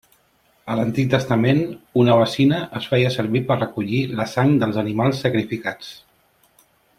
A l'Antic Testament una bacina es feia servir per recollir la sang dels animals sacrificats.